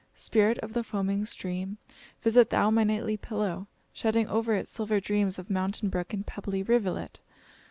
Spirit of the foaming stream! visit thou my nightly pillow, shedding over it silver dreams of mountain brook and pebbly rivulet.